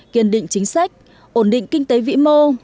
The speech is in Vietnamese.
kiên định chính sách ổn định kinh tế vĩ mô